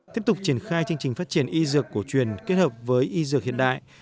tiếp tục triển khai chương trình phát triển y dược cổ truyền kết hợp với y dược hiện đại